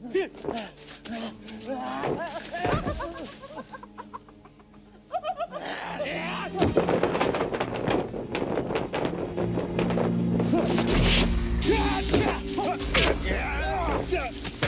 kisah anak muda